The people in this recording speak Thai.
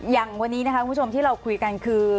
อย่างวันนี้นะคะคุณผู้ชมที่เราคุยกันคือ